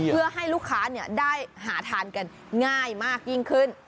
เพื่อให้ลูกค้าได้หาทานกันง่ายมากยิ่งขึ้น